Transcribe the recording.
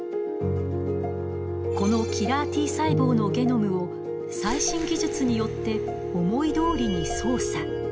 このキラーＴ細胞のゲノムを最新技術によって思いどおりに操作。